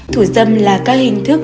thủ dâm là các hình thức